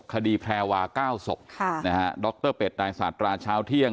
คดีแพรวา๙ศพนะฮะดรเป็ดตรชาวเที่ยง